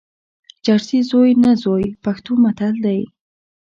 چرسي زوی نه زوی، پښتو متل دئ.